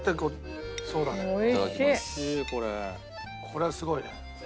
これはすごいね。